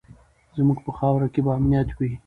زموږ په خاوره کې به امنیت وي.